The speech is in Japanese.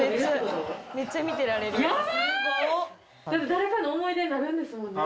誰かの思い出になるんですもんね。